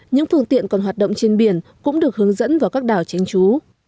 những phương tiện còn hoạt động trên biển cũng được hướng dẫn vào các đảo tránh trú